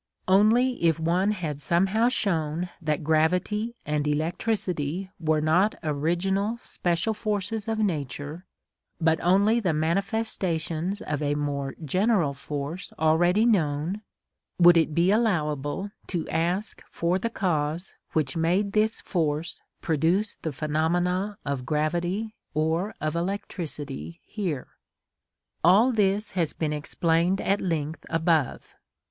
Only if one had somehow shown that gravity and electricity were not original special forces of nature, but only the manifestations of a more general force already known, would it be allowable to ask for the cause which made this force produce the phenomena of gravity or of electricity here. All this has been explained at length above.